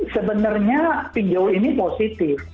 sebenarnya pindol ini positif